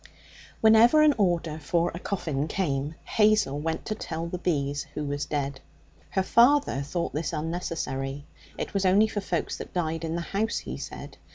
Whenever an order for a coffin came, Hazel went to tell the bees who was dead. Her father thought this unnecessary. It was only for folks that died in the house, he said.